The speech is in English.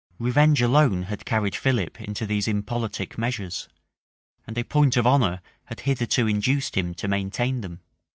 Revenge alone had carried Philip into these impolitic measures; and a point of honor had hitherto induced him to maintain them.